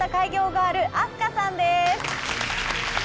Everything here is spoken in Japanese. ガールあすかさんです。